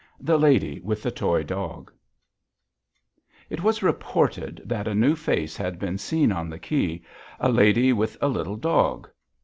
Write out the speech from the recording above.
THE LADY WITH THE TOY DOG It was reported that a new face had been seen on the quay; a lady with a little dog.